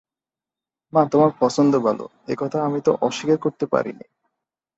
মা, তোমার পছন্দ ভালো, এ কথা আমি তো অস্বীকার করতে পারি নে।